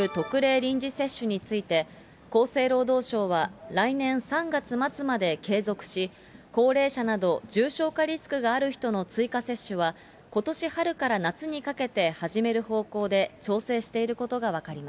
臨時接種について、厚生労働省は、来年３月末まで継続し、高齢者など重症化リスクがある人の追加接種は、ことし春から夏にかけて始める方向で調整していることが分かりま